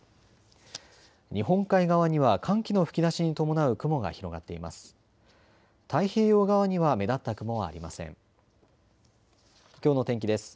日本海側には寒気の吹き出しに伴う雲が広がっています。